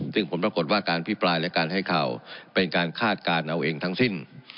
ซึ่งผลปรากฏว่าการพิปรายและการให้ข่าวเป็นการคาดการณ์เอาเองทั้งสิ้น